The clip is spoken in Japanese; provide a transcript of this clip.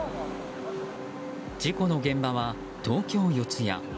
事故の現場は東京・四谷。